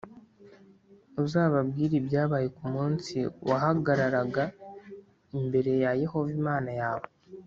Uzababwire ibyabaye ku munsi wahagararaga imbere ya Yehova Imana yawe